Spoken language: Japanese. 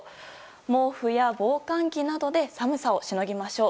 毛布や防寒着などで寒さをしのぎましょう。